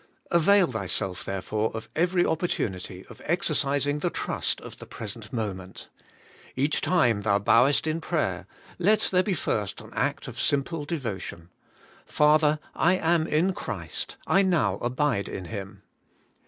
Avail thyself, therefore, of every opportunity of exercising the trust of the present moment. Each time thou bowest in prayer, let there first be an act of simple devotion: 'Father, I am in Christ; I now abide in Him.'